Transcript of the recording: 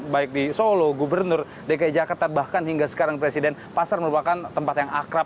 baik di solo gubernur dki jakarta bahkan hingga sekarang presiden pasar merupakan tempat yang akrab